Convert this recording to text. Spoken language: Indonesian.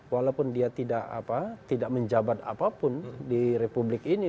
walaupun dia tidak menjabat apapun di republik ini